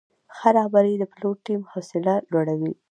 ښه رهبري د پلور ټیم حوصله لوړوي.